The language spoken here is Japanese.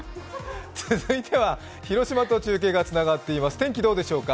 続いては広島と中継がつながっています、天気どうでしょうか。